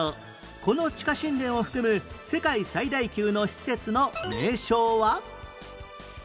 この地下神殿を含む世界最大級の施設の名称は？